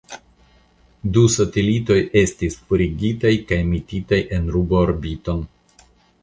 Du satelitoj estis forigitaj kaj metitaj en ruborbiton.